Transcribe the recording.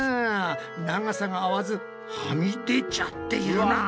長さが合わずはみ出ちゃっているな。